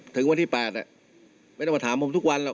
ถึงวันที่๘ไม่ต้องมาถามผมทุกวันหรอก